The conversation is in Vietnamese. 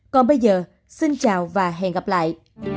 còn bây giờ xin chào và hẹn gặp lại